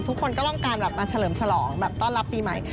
ทุกคนก็ต้องการแบบมาเฉลิมฉลองแบบต้อนรับปีใหม่